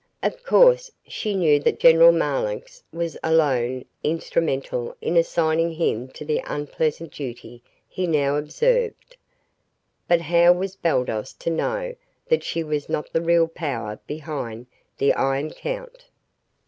Of course, she knew that General Marlanx was alone instrumental in assigning him to the unpleasant duty he now observed, but how was Baldos to know that she was not the real power behind the Iron Count?